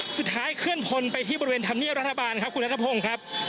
เคลื่อนพลไปที่บริเวณธรรมเนียบรัฐบาลครับคุณนัทพงศ์ครับ